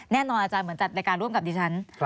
อาจารย์เหมือนจัดรายการร่วมกับดิฉัน